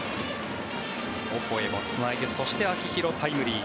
オコエもつないでそして秋広、タイムリー。